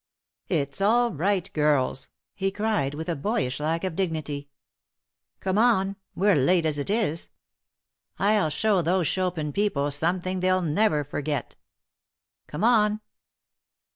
"It's all right, girls!" he cried, with a boyish lack of dignity. "Come on! We're late, as it is. I'll show those Chopin people something they'll never forget! Come on!"